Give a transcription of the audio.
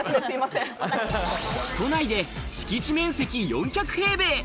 都内で敷地面積４００平米。